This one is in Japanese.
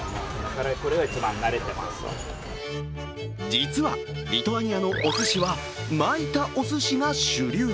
実は、リトアニアのおすしは巻いたおすしが主流。